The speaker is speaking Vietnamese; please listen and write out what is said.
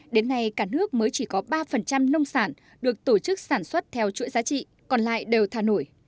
đến nay cả nước mới chỉ có ba nông sản được tổ chức sản xuất theo chuỗi giá trị còn lại đều thả nổi